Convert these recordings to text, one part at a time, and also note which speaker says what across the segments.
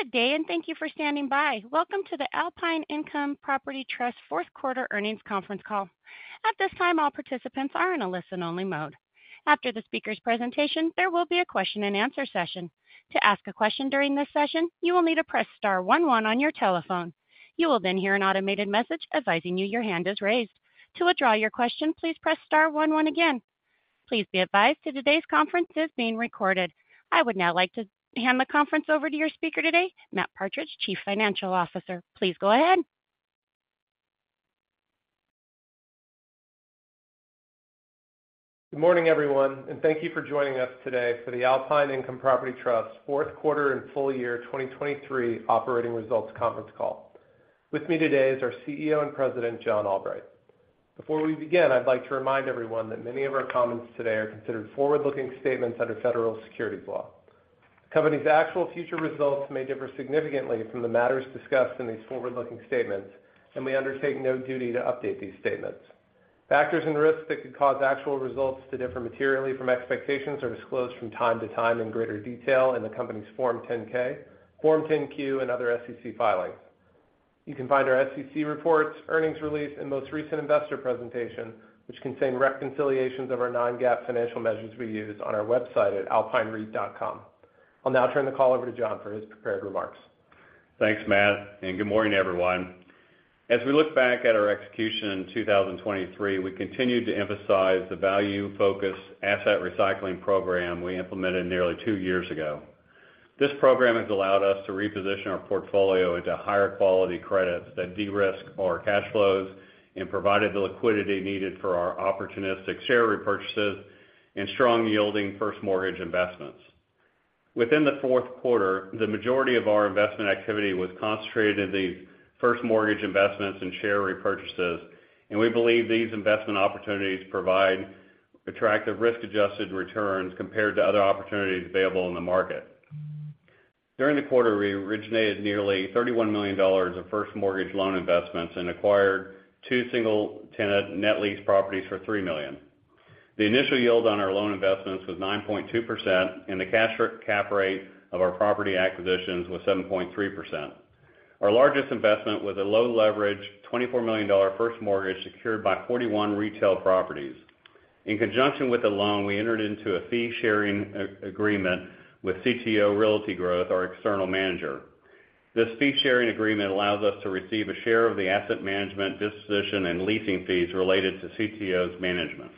Speaker 1: Good day, and thank you for standing by. Welcome to the Alpine Income Property Trust Fourth Quarter Earnings conference call. At this time, all participants are in a listen-only mode. After the speaker's presentation, there will be a question-and-answer session. To ask a question during this session, you will need to press star one one on your telephone. You will then hear an automated message advising you your hand is raised. To withdraw your question, please press star one one again. Please be advised that today's conference is being recorded. I would now like to hand the conference over to your speaker today, Matt Partridge, Chief Financial Officer. Please go ahead.
Speaker 2: Good morning, everyone, and thank you for joining us today for the Alpine Income Property Trust Fourth Quarter and full-year 2023 operating results conference call. With me today is our CEO and President, John Albright. Before we begin, I'd like to remind everyone that many of our comments today are considered forward-looking statements under federal securities law. The company's actual future results may differ significantly from the matters discussed in these forward-looking statements, and we undertake no duty to update these statements. Factors and risks that could cause actual results to differ materially from expectations are disclosed from time to time in greater detail in the company's Form 10-K, Form 10-Q, and other SEC filings. You can find our SEC reports, earnings release, and most recent investor presentation, which contain reconciliations of our non-GAAP financial measures we use, on our website at alpinereit.com. I'll now turn the call over to John for his prepared remarks.
Speaker 3: Thanks, Matt, and good morning, everyone. As we look back at our execution in 2023, we continued to emphasize the value-focused asset recycling program we implemented nearly two years ago. This program has allowed us to reposition our portfolio into higher-quality credits that de-risk our cash flows and provided the liquidity needed for our opportunistic share repurchases and strong-yielding first mortgage investments. Within the fourth quarter, the majority of our investment activity was concentrated in these first mortgage investments and share repurchases, and we believe these investment opportunities provide attractive risk-adjusted returns compared to other opportunities available in the market. During the quarter, we originated nearly $31 million of first mortgage loan investments and acquired two single-tenant net-lease properties for $3 million. The initial yield on our loan investments was 9.2%, and the cap rate of our property acquisitions was 7.3%. Our largest investment was a low-leverage $24 million first mortgage secured by 41 retail properties. In conjunction with the loan, we entered into a fee-sharing agreement with CTO Realty Growth, our external manager. This fee-sharing agreement allows us to receive a share of the asset management, disposition, and leasing fees related to CTO's management.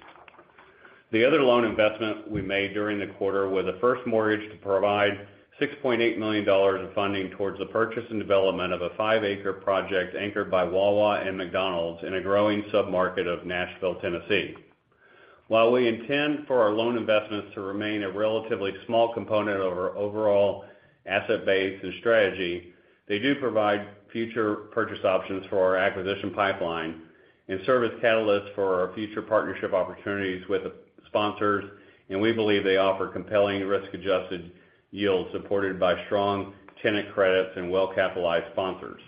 Speaker 3: The other loan investment we made during the quarter was a first mortgage to provide $6.8 million of funding towards the purchase and development of a 5 ac project anchored by Wawa and McDonald's in a growing submarket of Nashville, Tennessee. While we intend for our loan investments to remain a relatively small component of our overall asset base and strategy, they do provide future purchase options for our acquisition pipeline and serve as catalysts for our future partnership opportunities with sponsors, and we believe they offer compelling risk-adjusted yields supported by strong tenant credits and well-capitalized sponsors.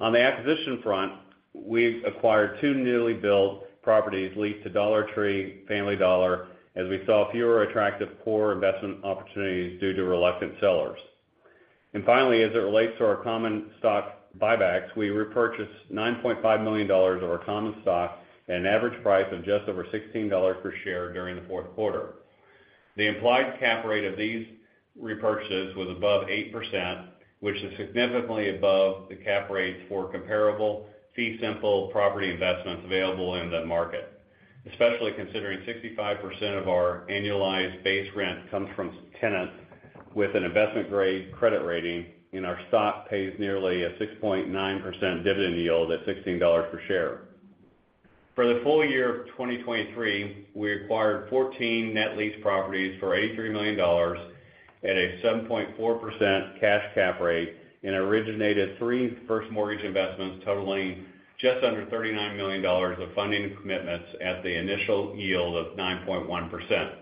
Speaker 3: On the acquisition front, we acquired two newly built properties leased to Dollar Tree, Family Dollar. As we saw fewer attractive acquisition opportunities due to reluctant sellers. Finally, as it relates to our common stock buybacks, we repurchased $9.5 million of our common stock at an average price of just over $16 per share during the fourth quarter. The implied cap rate of these repurchases was above 8%, which is significantly above the cap rates for comparable fee-simple property investments available in the market, especially considering 65% of our annualized base rent comes from tenants with an investment-grade credit rating, and our stock pays nearly a 6.9% dividend yield at $16 per share. For the full year of 2023, we acquired 14 net-lease properties for $83 million at a 7.4% cash cap rate and originated 3 first mortgage investments totaling just under $39 million of funding commitments at the initial yield of 9.1%.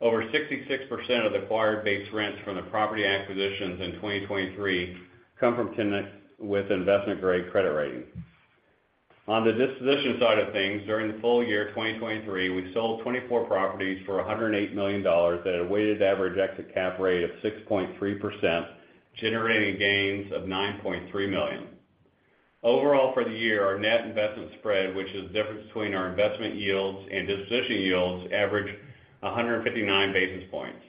Speaker 3: Over 66% of the acquired base rents from the property acquisitions in 2023 come from tenants with investment-grade credit rating. On the disposition side of things, during the full year 2023, we sold 24 properties for $108 million at a weighted average exit cap rate of 6.3%, generating gains of $9.3 million. Overall, for the year, our net investment spread, which is the difference between our investment yields and disposition yields, averaged 159 basis points.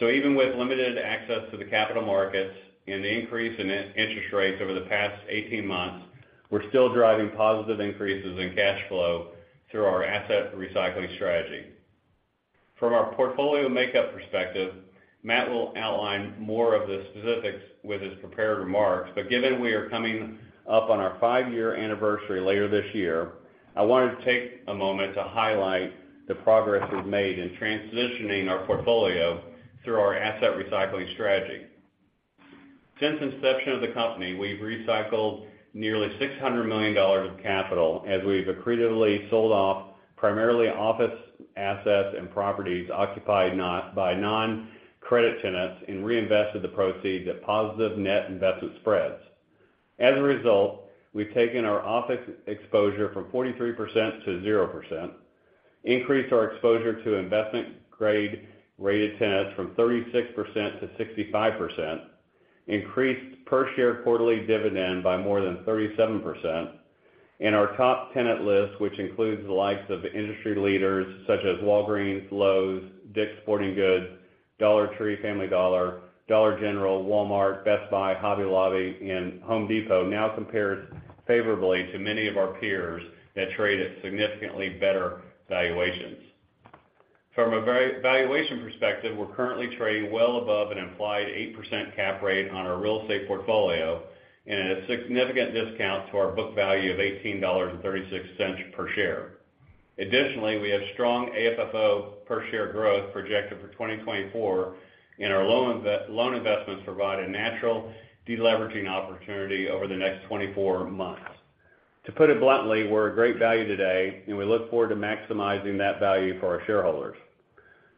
Speaker 3: So even with limited access to the capital markets and the increase in interest rates over the past 18 months, we're still driving positive increases in cash flow through our asset recycling strategy. From our portfolio makeup perspective, Matt will outline more of the specifics with his prepared remarks, but given we are coming up on our five-year anniversary later this year, I wanted to take a moment to highlight the progress we've made in transitioning our portfolio through our asset recycling strategy. Since inception of the company, we've recycled nearly $600 million of capital as we've accretively sold off primarily office assets and properties occupied by non-credit tenants and reinvested the proceeds at positive net investment spreads. As a result, we've taken our office exposure from 43% to 0%, increased our exposure to investment-grade rated tenants from 36% to 65%, increased per-share quarterly dividend by more than 37%, and our top tenant list, which includes the likes of industry leaders such as Walgreens, Lowe's, Dick's Sporting Goods, Dollar Tree, Family Dollar, Dollar General, Walmart, Best Buy, Hobby Lobby, and Home Depot, now compares favorably to many of our peers that trade at significantly better valuations. From a valuation perspective, we're currently trading well above an implied 8% cap rate on our real estate portfolio and at a significant discount to our book value of $18.36 per share. Additionally, we have strong AFFO per-share growth projected for 2024, and our loan investments provide a natural de-leveraging opportunity over the next 24 months. To put it bluntly, we're at great value today, and we look forward to maximizing that value for our shareholders.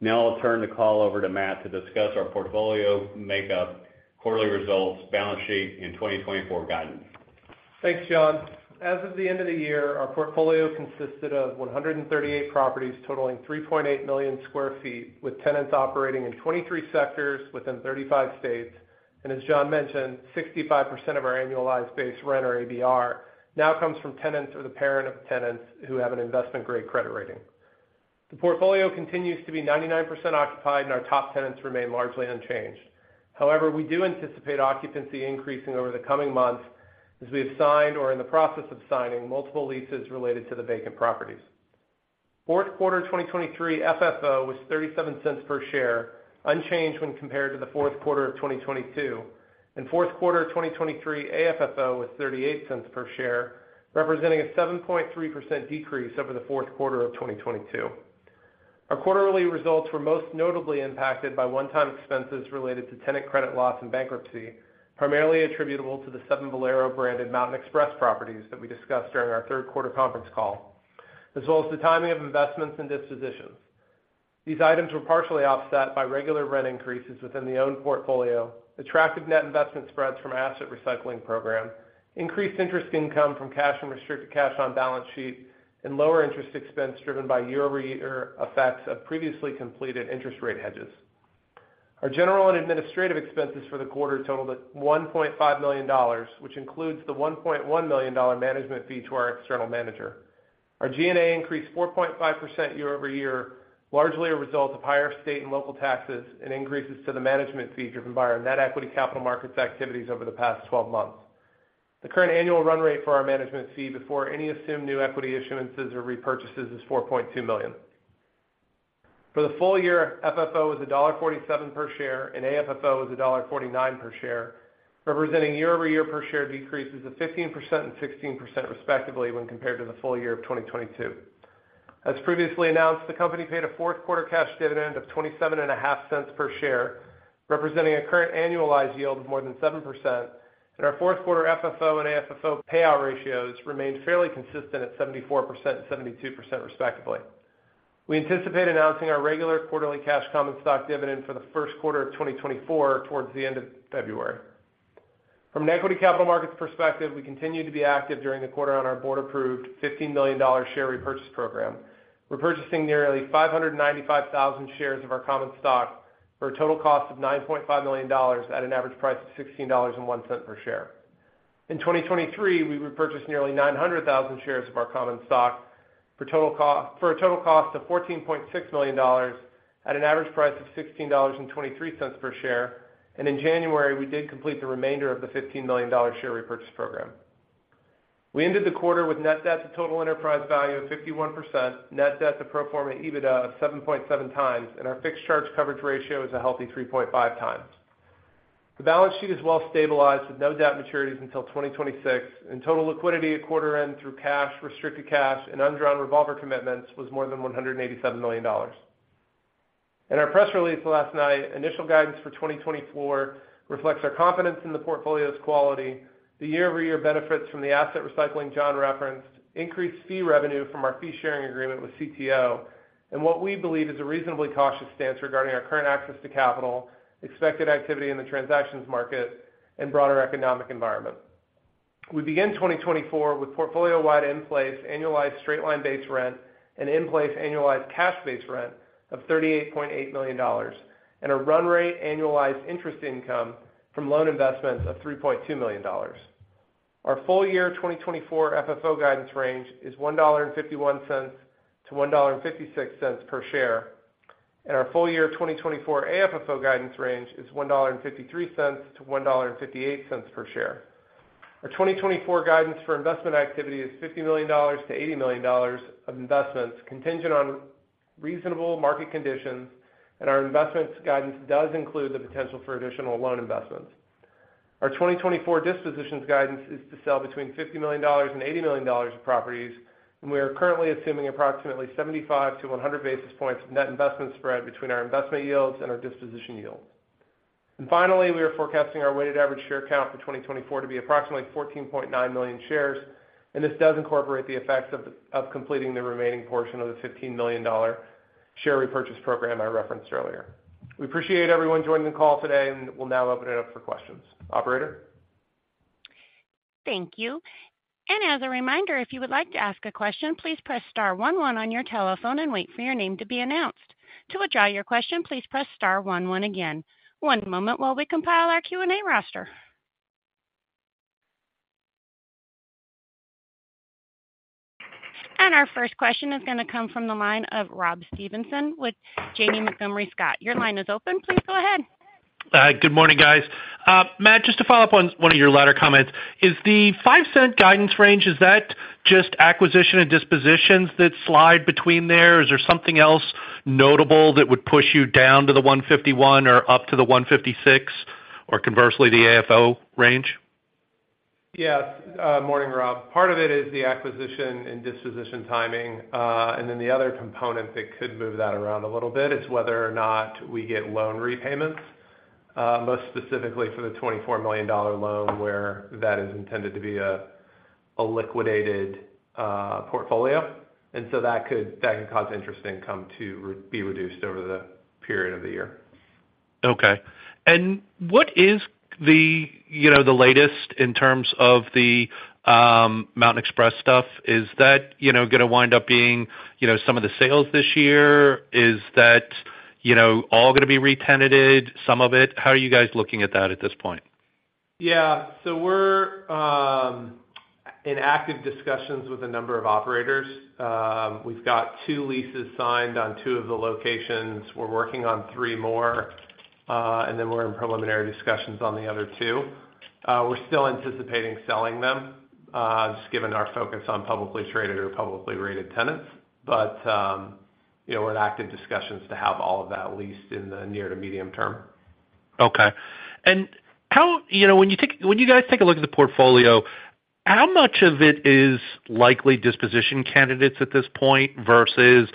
Speaker 3: Now I'll turn the call over to Matt to discuss our portfolio makeup, quarterly results, balance sheet, and 2024 guidance.
Speaker 2: Thanks, John. As of the end of the year, our portfolio consisted of 138 properties totaling 3.8 million sq ft with tenants operating in 23 sectors within 35 states, and as John mentioned, 65% of our annualized base rent or ABR now comes from tenants or the parent of tenants who have an investment-grade credit rating. The portfolio continues to be 99% occupied, and our top tenants remain largely unchanged. However, we do anticipate occupancy increasing over the coming months as we have signed or are in the process of signing multiple leases related to the vacant properties. Fourth quarter 2023 FFO was $0.37 per share, unchanged when compared to the fourth quarter of 2022, and fourth quarter 2023 AFFO was $0.38 per share, representing a 7.3% decrease over the fourth quarter of 2022. Our quarterly results were most notably impacted by one-time expenses related to tenant credit loss and bankruptcy, primarily attributable to the 7 Valero-branded Mountain Express properties that we discussed during our third-quarter conference call, as well as the timing of investments and dispositions. These items were partially offset by regular rent increases within the owned portfolio, attractive net investment spreads from our asset recycling program, increased interest income from cash and restricted cash on balance sheet, and lower interest expense driven by year-over-year effects of previously completed interest rate hedges. Our general and administrative expenses for the quarter totaled $1.5 million, which includes the $1.1 million management fee to our external manager. Our G&A increased 4.5% year-over-year, largely a result of higher state and local taxes and increases to the management fee driven by our net equity capital markets activities over the past 12 months. The current annual run rate for our management fee before any assumed new equity issuances or repurchases is $4.2 million. For the full year, FFO was $1.47 per share, and AFFO was $1.49 per share, representing year-over-year per-share decreases of 15% and 16% respectively when compared to the full year of 2022. As previously announced, the company paid a fourth-quarter cash dividend of $27.5 per share, representing a current annualized yield of more than 7%, and our fourth-quarter FFO and AFFO payout ratios remained fairly consistent at 74% and 72% respectively. We anticipate announcing our regular quarterly cash common stock dividend for the first quarter of 2024 towards the end of February. From an equity capital markets perspective, we continue to be active during the quarter on our board-approved $15 million share repurchase program, repurchasing nearly 595,000 shares of our common stock for a total cost of $9.5 million at an average price of $16.01 per share. In 2023, we repurchased nearly 900,000 shares of our common stock for a total cost of $14.6 million at an average price of $16.23 per share, and in January, we did complete the remainder of the $15 million share repurchase program. We ended the quarter with net debt to total enterprise value of 51%, net debt to pro forma EBITDA of 7.7 times, and our fixed charge coverage ratio is a healthy 3.5 times. The balance sheet is well stabilized with no debt maturities until 2026, and total liquidity at quarter end through cash, restricted cash, and underwritten revolver commitments was more than $187 million. In our press release last night, initial guidance for 2024 reflects our confidence in the portfolio's quality, the year-over-year benefits from the asset recycling John referenced, increased fee revenue from our fee-sharing agreement with CTO, and what we believe is a reasonably cautious stance regarding our current access to capital, expected activity in the transactions market, and broader economic environment. We begin 2024 with portfolio-wide in-place annualized straight-line base rent and in-place annualized cash base rent of $38.8 million and a run rate annualized interest income from loan investments of $3.2 million. Our full year 2024 FFO guidance range is $1.51-$1.56 per share, and our full year 2024 AFFO guidance range is $1.53-$1.58 per share. Our 2024 guidance for investment activity is $50 million-$80 million of investments, contingent on reasonable market conditions, and our investments guidance does include the potential for additional loan investments. Our 2024 dispositions guidance is to sell between $50 million and $80 million of properties, and we are currently assuming approximately 75-100 basis points of net investment spread between our investment yields and our disposition yield. And finally, we are forecasting our weighted average share count for 2024 to be approximately $14.9 million shares, and this does incorporate the effects of completing the remaining portion of the $15 million share repurchase program I referenced earlier. We appreciate everyone joining the call today, and we'll now open it up for questions. Operator?
Speaker 1: Thank you. And as a reminder, if you would like to ask a question, please press star one one on your telephone and wait for your name to be announced. To withdraw your question, please press star one one again. One moment while we compile our Q&A roster. And our first question is going to come from the line of Rob Stevenson with Janney Montgomery Scott. Your line is open. Please go ahead.
Speaker 4: Good morning, guys. Matt, just to follow up on one of your latter comments, is the $0.05 guidance range, is that just acquisition and dispositions that slide between there, or is there something else notable that would push you down to the $1.51 or up to the $1.56 or conversely the AFFO range?
Speaker 2: Yes. Morning, Rob. Part of it is the acquisition and disposition timing, and then the other component that could move that around a little bit is whether or not we get loan repayments, most specifically for the $24 million loan where that is intended to be a liquidated portfolio. And so that can cause interest income to be reduced over the period of the year.
Speaker 4: Okay. And what is the latest in terms of the Mountain Express stuff? Is that going to wind up being some of the sales this year? Is that all going to be retented, some of it? How are you guys looking at that at this point?
Speaker 2: Yeah. So we're in active discussions with a number of operators. We've got 2 leases signed on 2 of the locations. We're working on 3 more, and then we're in preliminary discussions on the other 2. We're still anticipating selling them just given our focus on publicly traded or publicly rated tenants, but we're in active discussions to have all of that leased in the near to medium term.
Speaker 4: Okay. And when you guys take a look at the portfolio, how much of it is likely disposition candidates at this point versus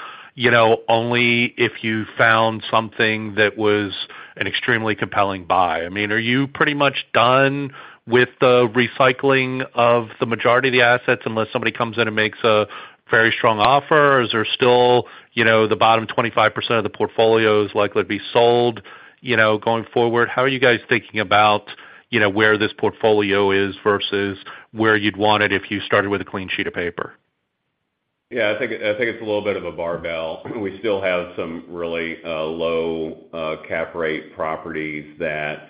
Speaker 4: only if you found something that was an extremely compelling buy? I mean, are you pretty much done with the recycling of the majority of the assets unless somebody comes in and makes a very strong offer, or is there still the bottom 25% of the portfolios likely to be sold going forward? How are you guys thinking about where this portfolio is versus where you'd want it if you started with a clean sheet of paper?
Speaker 3: Yeah. I think it's a little bit of a barbell. We still have some really low Cap Rate properties that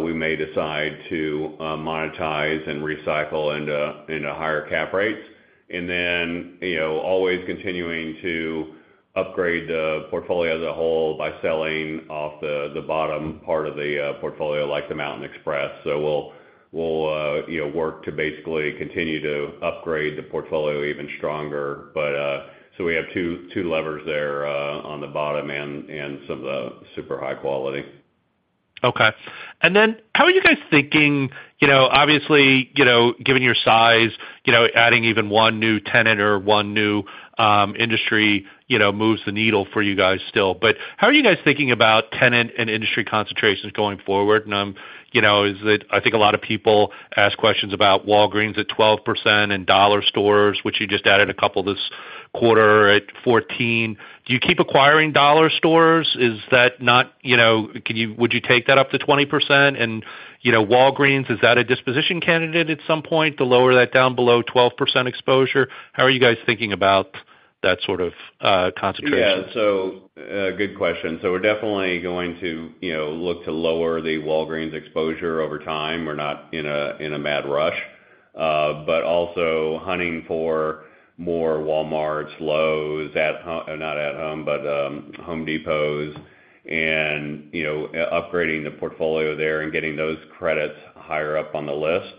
Speaker 3: we may decide to monetize and recycle into higher Cap Rates and then always continuing to upgrade the portfolio as a whole by selling off the bottom part of the portfolio like the Mountain Express. So we'll work to basically continue to upgrade the portfolio even stronger. So we have two levers there on the bottom and some of the super high quality.
Speaker 4: Okay. And then how are you guys thinking? Obviously, given your size, adding even one new tenant or one new industry moves the needle for you guys still. But how are you guys thinking about tenant and industry concentrations going forward? And I think a lot of people ask questions about Walgreens at 12% and Dollar Stores, which you just added a couple this quarter at 14%. Do you keep acquiring Dollar Stores? Is that not can you would you take that up to 20%? And Walgreens, is that a disposition candidate at some point to lower that down below 12% exposure? How are you guys thinking about that sort of concentration?
Speaker 3: Yeah. So good question. So we're definitely going to look to lower the Walgreens exposure over time. We're not in a mad rush, but also hunting for more Walmarts, Lowe's, not At Home, but Home Depots, and upgrading the portfolio there and getting those credits higher up on the list.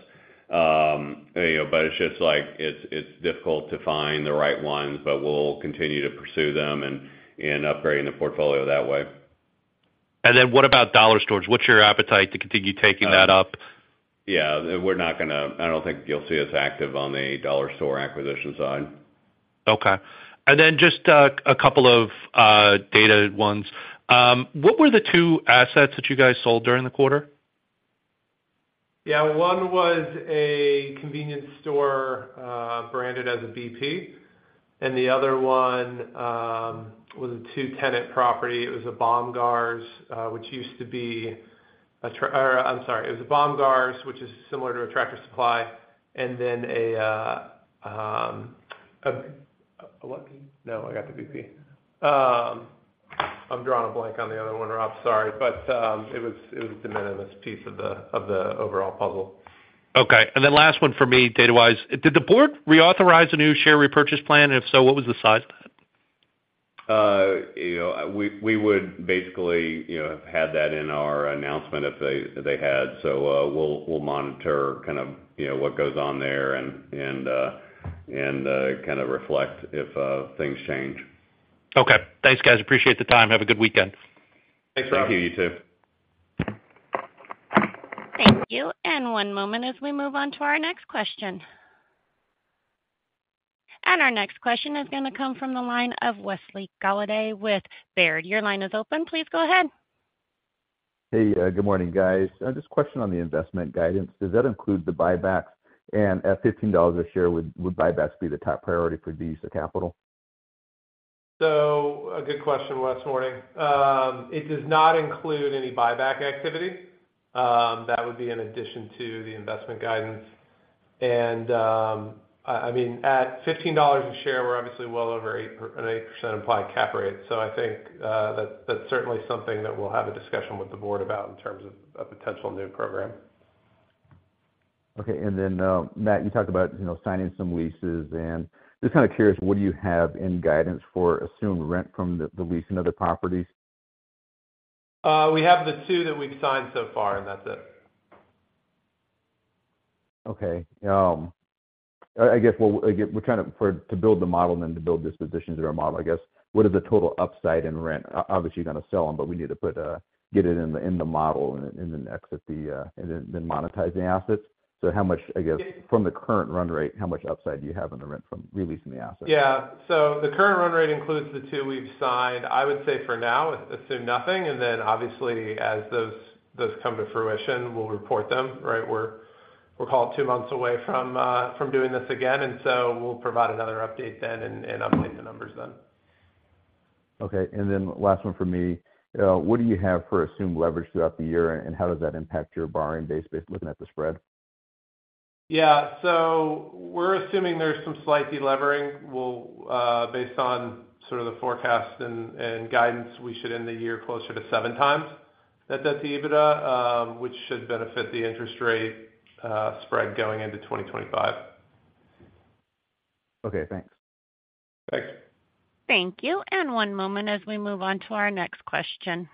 Speaker 3: But it's just like it's difficult to find the right ones, but we'll continue to pursue them and upgrading the portfolio that way.
Speaker 4: And then what about dollar stores? What's your appetite to continue taking that up?
Speaker 3: Yeah. We're not going to, I don't think you'll see us active on the Dollar Store acquisition side.
Speaker 4: Okay. And then just a couple of data ones. What were the two assets that you guys sold during the quarter?
Speaker 2: Yeah. One was a convenience store branded as a BT, and the other one was a two-tenant property. It was a Bomgaars, which used to be a. I'm sorry. It was a Bomgaars, which is similar to Tractor Supply, and then a what? No, I got the BT. I'm drawing a blank on the other one, Rob. Sorry. But it was a de minimis piece of the overall puzzle.
Speaker 4: Okay. And then last one for me, data-wise. Did the board reauthorize a new share repurchase plan? And if so, what was the size of that?
Speaker 3: We would basically have had that in our announcement if they had. So we'll monitor kind of what goes on there and kind of reflect if things change.
Speaker 4: Okay. Thanks, guys. Appreciate the time. Have a good weekend.
Speaker 2: Thanks, Rob.
Speaker 3: Thank you. You too.
Speaker 1: Thank you. And one moment as we move on to our next question. And our next question is going to come from the line of Wesley Golladay with Baird. Your line is open. Please go ahead.
Speaker 5: Hey. Good morning, guys. Just a question on the investment guidance. Does that include the buybacks? And at $15 a share, would buybacks be the top priority for the use of capital?
Speaker 2: So a good question, Wes, morning. It does not include any buyback activity. That would be in addition to the investment guidance. And I mean, at $15 a share, we're obviously well over an 8% implied cap rate. So I think that's certainly something that we'll have a discussion with the board about in terms of a potential new program.
Speaker 5: Okay. And then, Matt, you talked about signing some leases. And just kind of curious, what do you have in guidance for assumed rent from the lease and other properties?
Speaker 2: We have the two that we've signed so far, and that's it.
Speaker 5: Okay. I guess we're trying to build the model and then to build dispositions in our model, I guess. What is the total upside in rent? Obviously, you're going to sell them, but we need to get it in the model and then exit them and then monetize the assets. So I guess from the current run rate, how much upside do you have in the rent from releasing the assets?
Speaker 2: Yeah. So the current run rate includes the 2 we've signed, I would say for now, assume nothing. And then obviously, as those come to fruition, we'll report them, right? We're only 2 months away from doing this again. And so we'll provide another update then and update the numbers then.
Speaker 5: Okay. And then last one for me. What do you have for assumed leverage throughout the year, and how does that impact your borrowing base looking at the spread?
Speaker 2: Yeah. So we're assuming there's some slight delivering based on sort of the forecast and guidance. We should end the year closer to 7x that EBITDA, which should benefit the interest rate spread going into 2025.
Speaker 5: Okay. Thanks.
Speaker 2: Thanks.
Speaker 1: Thank you. And one moment as we move on to our next question.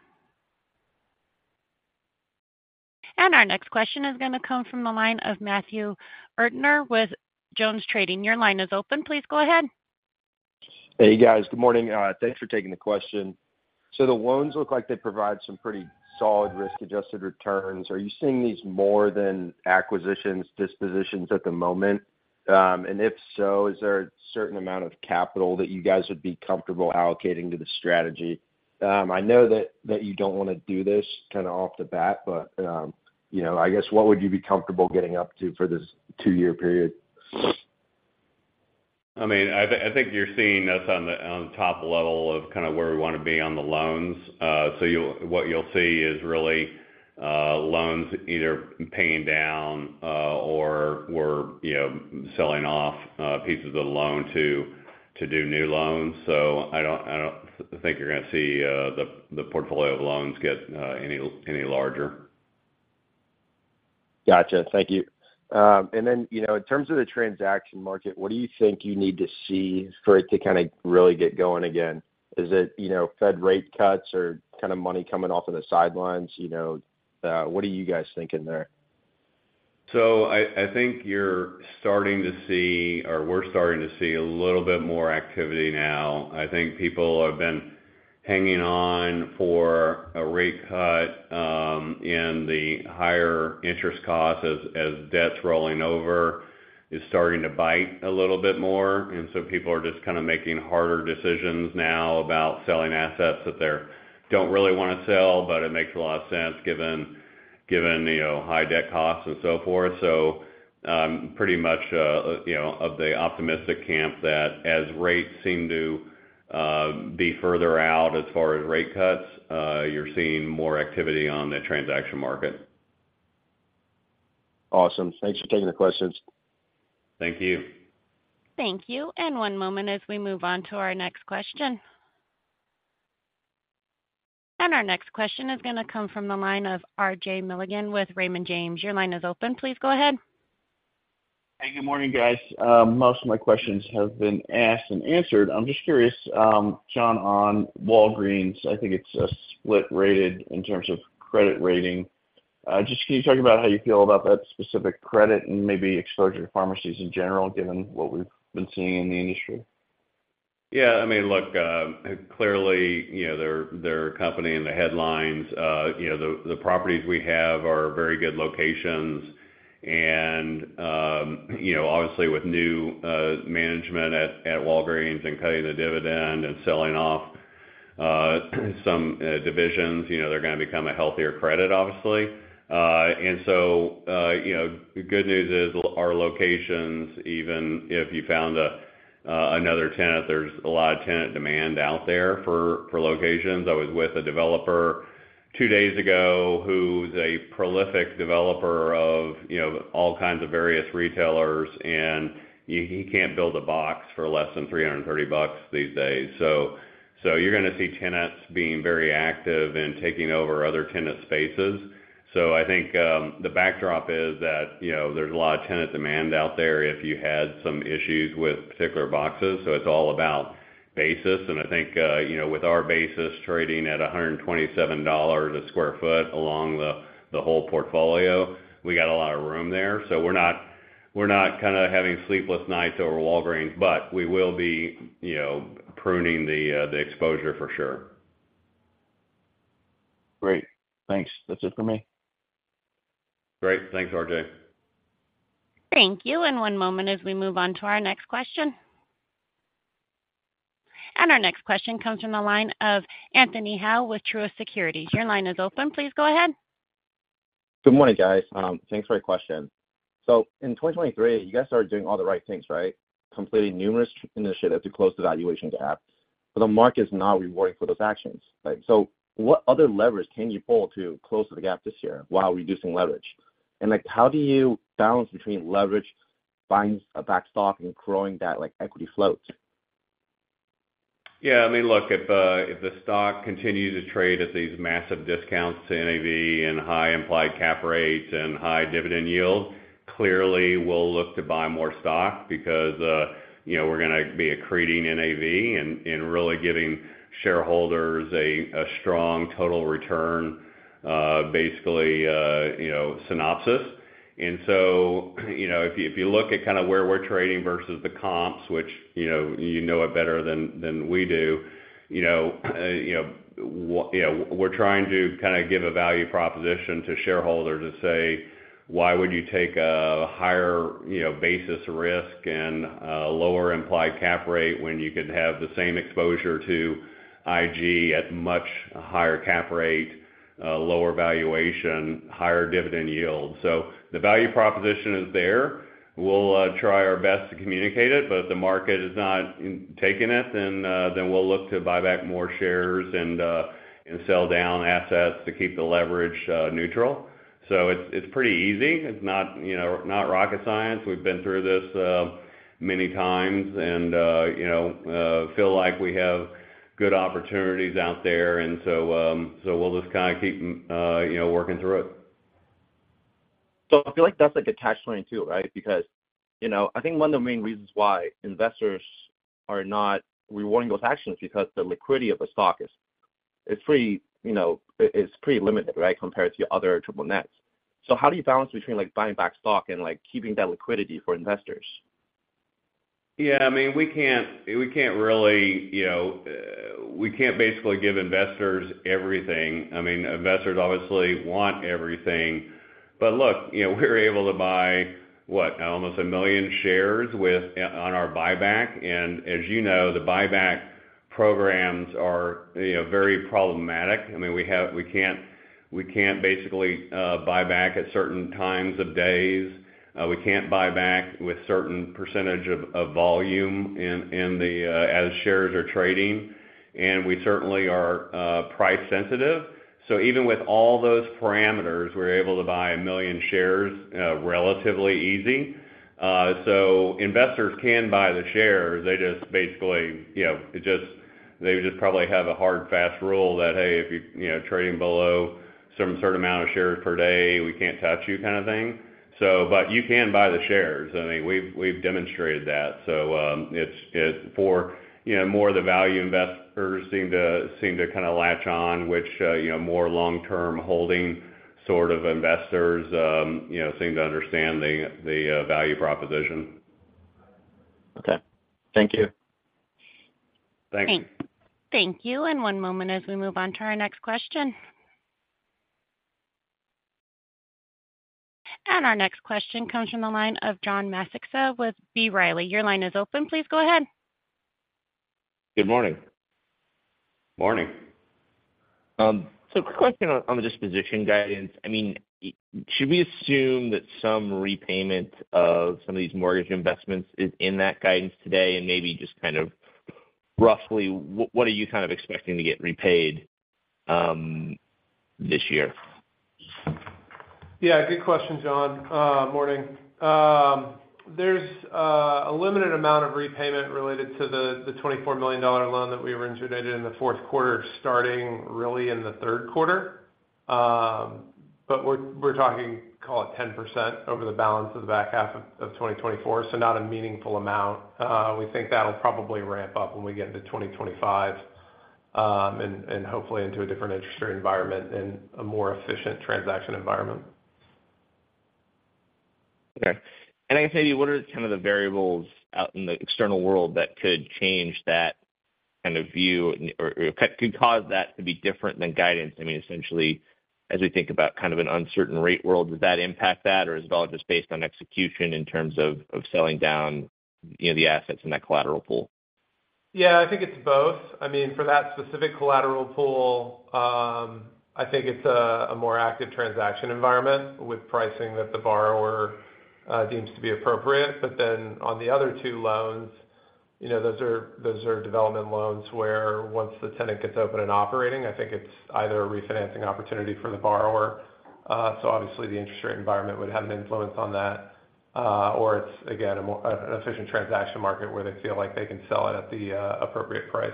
Speaker 1: And our next question is going to come from the line of Matthew Erdner with Jones Trading. Your line is open. Please go ahead.
Speaker 6: Hey, guys. Good morning. Thanks for taking the question. So the loans look like they provide some pretty solid risk-adjusted returns. Are you seeing these more than acquisitions, dispositions at the moment? And if so, is there a certain amount of capital that you guys would be comfortable allocating to the strategy? I know that you don't want to do this kind of off the bat, but I guess what would you be comfortable getting up to for this two-year period?
Speaker 3: I mean, I think you're seeing us on the top level of kind of where we want to be on the loans. So what you'll see is really loans either paying down or we're selling off pieces of the loan to do new loans. So I don't think you're going to see the portfolio of loans get any larger.
Speaker 6: Gotcha. Thank you. And then in terms of the transaction market, what do you think you need to see for it to kind of really get going again? Is it Fed rate cuts or kind of money coming off of the sidelines? What are you guys thinking there?
Speaker 3: So I think you're starting to see or we're starting to see a little bit more activity now. I think people have been hanging on for a rate cut, and the higher interest costs as debt's rolling over is starting to bite a little bit more. So people are just kind of making harder decisions now about selling assets that they don't really want to sell, but it makes a lot of sense given high debt costs and so forth. So I'm pretty much of the optimistic camp that as rates seem to be further out as far as rate cuts, you're seeing more activity on the transaction market.
Speaker 6: Awesome. Thanks for taking the questions.
Speaker 3: Thank you.
Speaker 1: Thank you. One moment as we move on to our next question. Our next question is going to come from the line of RJ Milligan with Raymond James. Your line is open. Please go ahead.
Speaker 7: Hey. Good morning, guys. Most of my questions have been asked and answered. I'm just curious, John, on Walgreens. I think it's a split rated in terms of credit rating. Just can you talk about how you feel about that specific credit and maybe exposure to pharmacies in general given what we've been seeing in the industry?
Speaker 3: Yeah. I mean, look, clearly, they're a company in the headlines. The properties we have are very good locations. And obviously, with new management at Walgreens and cutting the dividend and selling off some divisions, they're going to become a healthier credit, obviously. And so the good news is our locations, even if you found another tenant, there's a lot of tenant demand out there for locations. I was with a developer two days ago who's a prolific developer of all kinds of various retailers, and he can't build a box for less than $330 these days. So you're going to see tenants being very active and taking over other tenant spaces. So I think the backdrop is that there's a lot of tenant demand out there if you had some issues with particular boxes. So it's all about basis. I think with our basis trading at $127 a sq ft along the whole portfolio, we got a lot of room there. We're not kind of having sleepless nights over Walgreens, but we will be pruning the exposure for sure.
Speaker 7: Great. Thanks. That's it for me.
Speaker 3: Great. Thanks, RJ.
Speaker 1: Thank you. And one moment as we move on to our next question. And our next question comes from the line of Anthony Hau with Truist Securities. Your line is open. Please go ahead.
Speaker 8: Good morning, guys. Thanks for your question. So in 2023, you guys started doing all the right things, right? Completing numerous initiatives to close the valuation gap, but the market's not rewarding for those actions. So what other levers can you pull to close the gap this year while reducing leverage? And how do you balance between leverage, buying back stock, and growing that equity float?
Speaker 3: Yeah. I mean, look, if the stock continues to trade at these massive discounts to NAV and high implied cap rates and high dividend yield, clearly, we'll look to buy more stock because we're going to be accreting NAV and really giving shareholders a strong total return, basically synopsis. And so if you look at kind of where we're trading versus the comps, which you know it better than we do, we're trying to kind of give a value proposition to shareholders to say, "Why would you take a higher basis risk and a lower implied cap rate when you could have the same exposure to IG at much higher cap rate, lower valuation, higher dividend yield?" So the value proposition is there. We'll try our best to communicate it, but if the market is not taking it, then we'll look to buy back more shares and sell down assets to keep the leverage neutral. So it's pretty easy. It's not rocket science. We've been through this many times and feel like we have good opportunities out there. And so we'll just kind of keep working through it.
Speaker 8: So I feel like that's a catch-22, right? Because I think one of the main reasons why investors are not rewarding those actions is because the liquidity of a stock is pretty limited, right, compared to other triple nets. So how do you balance between buying back stock and keeping that liquidity for investors?
Speaker 3: Yeah. I mean, we can't basically give investors everything. I mean, investors, obviously, want everything. But look, we're able to buy, what, almost 1 million shares on our buyback. And as you know, the buyback programs are very problematic. I mean, we can't basically buy back at certain times of days. We can't buy back with certain percentage of volume as shares are trading. And we certainly are price-sensitive. So even with all those parameters, we're able to buy 1 million shares relatively easy. So investors can buy the shares. They just probably have a hard, fast rule that, "Hey, if you're trading below some certain amount of shares per day, we can't touch you," kind of thing. But you can buy the shares. I mean, we've demonstrated that. For more of the value, investors seem to kind of latch on, which more long-term holding sort of investors seem to understand the value proposition.
Speaker 8: Okay. Thank you.
Speaker 3: Thanks.
Speaker 1: Thank you. One moment as we move on to our next question. Our next question comes from the line of John Massocca with B. Riley. Your line is open. Please go ahead.
Speaker 9: Good morning.
Speaker 3: Morning.
Speaker 9: So quick question on the disposition guidance. I mean, should we assume that some repayment of some of these mortgage investments is in that guidance today? And maybe just kind of roughly, what are you kind of expecting to get repaid this year?
Speaker 2: Yeah. Good question, John. Morning. There's a limited amount of repayment related to the $24 million loan that we originated in the fourth quarter starting really in the third quarter. But we're talking, call it, 10% over the balance of the back half of 2024, so not a meaningful amount. We think that'll probably ramp up when we get into 2025 and hopefully into a different interest rate environment and a more efficient transaction environment.
Speaker 9: Okay. I guess maybe what are kind of the variables out in the external world that could change that kind of view or could cause that to be different than guidance? I mean, essentially, as we think about kind of an uncertain rate world, does that impact that, or is it all just based on execution in terms of selling down the assets in that collateral pool?
Speaker 2: Yeah. I think it's both. I mean, for that specific collateral pool, I think it's a more active transaction environment with pricing that the borrower deems to be appropriate. But then on the other two loans, those are development loans where once the tenant gets open and operating, I think it's either a refinancing opportunity for the borrower. So obviously, the interest rate environment would have an influence on that. Or it's, again, an efficient transaction market where they feel like they can sell it at the appropriate price.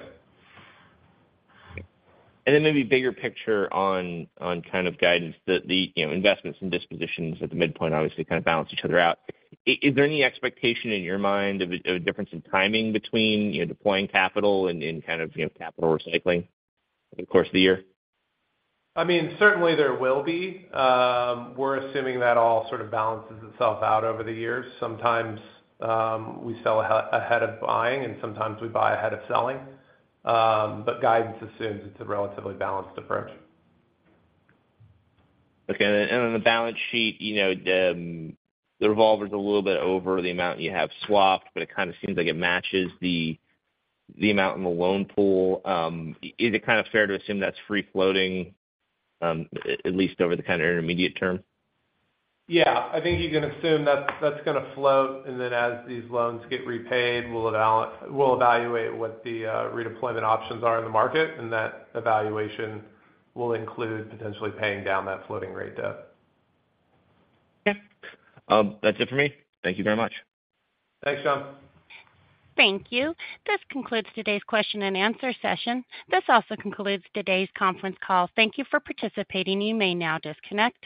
Speaker 9: And then maybe bigger picture on kind of guidance, the investments and dispositions at the midpoint, obviously, kind of balance each other out. Is there any expectation in your mind of a difference in timing between deploying capital and kind of capital recycling over the course of the year?
Speaker 2: I mean, certainly, there will be. We're assuming that all sort of balances itself out over the years. Sometimes we sell ahead of buying, and sometimes we buy ahead of selling. But guidance assumes it's a relatively balanced approach.
Speaker 9: Okay. And on the balance sheet, the revolver's a little bit over the amount you have swapped, but it kind of seems like it matches the amount in the loan pool. Is it kind of fair to assume that's free-floating, at least over the kind of intermediate term?
Speaker 2: Yeah. I think you can assume that's going to float. And then as these loans get repaid, we'll evaluate what the redeployment options are in the market, and that evaluation will include potentially paying down that floating rate debt.
Speaker 9: Okay. That's it for me. Thank you very much.
Speaker 2: Thanks, John.
Speaker 1: Thank you. This concludes today's question and answer session. This also concludes today's conference call. Thank you for participating. You may now disconnect.